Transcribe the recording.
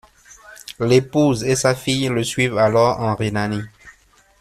L'épouse et sa fille le suivent alors en Rhénanie.